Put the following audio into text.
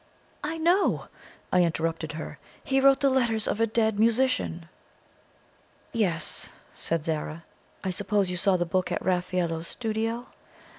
"I know!" I interrupted her. "He wrote the 'Letters of a Dead Musician.'" "Yes," said Zara. "I suppose you saw the book at Raffaello's studio.